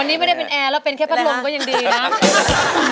อันนี้ไม่ได้เป็นแอร์แล้วเป็นแค่พัดลมก็ยังดีนะ